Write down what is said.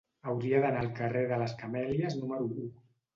Hauria d'anar al carrer de les Camèlies número u.